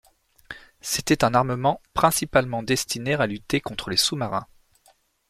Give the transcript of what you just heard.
C’était un armement principalement destiné à lutter contre les sous-marins.